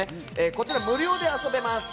こちら無料で遊べます。